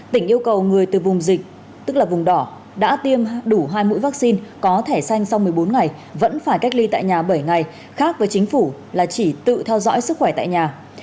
tỉnh yêu cầu người từ vùng dịch tức là vùng đỏ đã tiêm đủ hai mũi vaccine có thể xanh sau một mươi bốn ngày vẫn phải cách ly tại nhà bảy ngày khác với chính phủ là chỉ tự theo dõi sức khỏe tại nhà